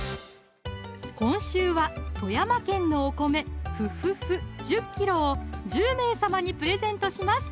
今週は富山県のお米「富富富」１０ｋｇを１０名様にプレゼントします